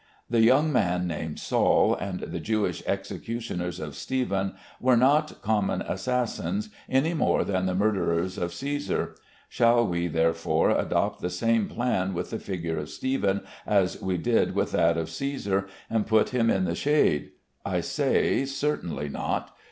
The young man named Saul and the Jewish executioners of Stephen were not common assassins any more than the murderers of Cæsar. Shall we, therefore, adopt the same plan with the figure of Stephen as we did with that of Cæsar and put him in the shade? I say, Certainly not.